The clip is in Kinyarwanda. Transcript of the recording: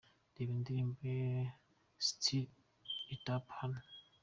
Reba indirimbo ye ’Stir it up’ hano:.